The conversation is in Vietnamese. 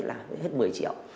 là hết một mươi triệu